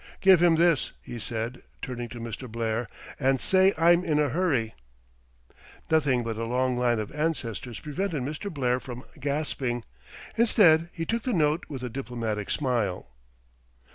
"Give him this," he said, turning to Mr. Blair, "and say I'm in a hurry." Nothing but a long line of ancestors prevented Mr. Blair from gasping. Instead he took the note with a diplomatic smile.